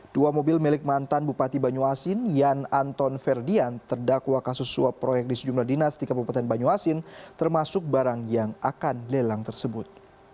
dua mobil milik mantan bupati banyuasin yan anton ferdian terdakwa kasus suap proyek di sejumlah dinas di kabupaten banyuasin termasuk barang yang akan lelang tersebut